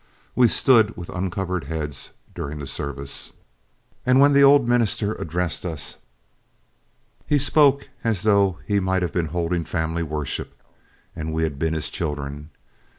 We stood with uncovered heads during the service, and when the old minister addressed us he spoke as though he might have been holding family worship and we had been his children.